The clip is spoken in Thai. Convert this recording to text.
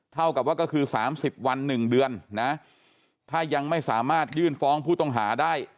เท่ากับว่าก็คือ๓๐วัน๑เดือนนะถ้ายังไม่สามารถยื่นฟ้องผู้ต้องหาได้